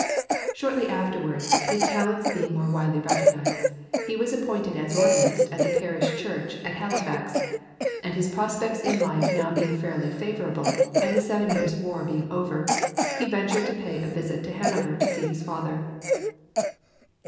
Shortly afterwards, his talents being more widely recognised, he was appointed as organist at the parish church at Halifax, and his prospects in life now being fairly favourable, and the Seven Years' War being over, he ventured to pay a visit to Hanover to see his father.